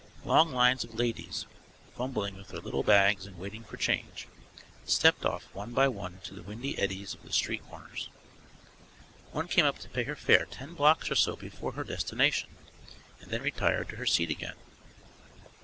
Long lines of ladies, fumbling with their little bags and waiting for change, stepped off one by one into the windy eddies of the street corners. One came up to pay her fare ten blocks or so before her destination, and then retired to her seat again.